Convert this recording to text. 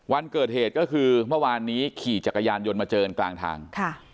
วันเกิดเหตุก็คือเมื่อวานนี้ขี่จักรยานยนต์มาเจอกันกลางทาง